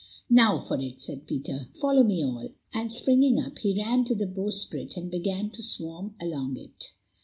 "Now for it," said Peter. "Follow me, all." And springing up, he ran to the bowsprit and began to swarm along it.